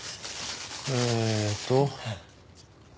えーっと。